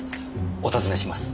お尋ねします。